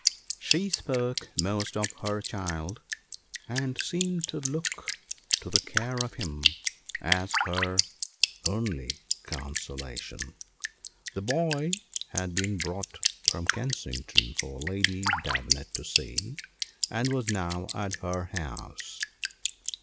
She spoke most of her child, and seemed to look to the care of him as her only consolation. The boy had been brought from Kensington for Lady Davenant to see, and was now at her house.